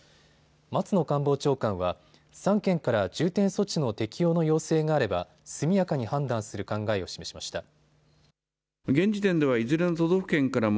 松野官房長官は３県から重点措置の適用の要請があれば速やかに判断する考えを示しました。